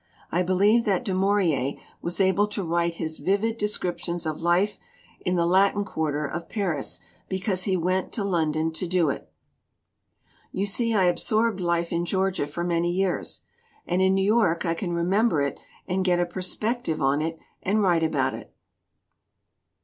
I believe that Du Maurier was able to write his vivid descriptions of life in the Latin Quarter of Paris because he went to London to do it. "You see, I absorbed life in Georgia for many years. And in New York I can remember it and get a perspective on it and write about it."